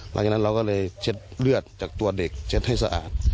หลังจากนั้นเราก็เลยเช็ดเลือดจากตัวเด็กเช็ดให้สะอาด